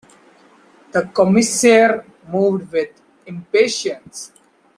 The Commissaire moved with impatience.